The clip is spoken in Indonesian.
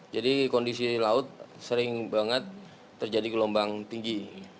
jadi kondisi laut sering banget terjadi gelombang tinggi